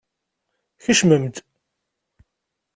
Kecmem-d!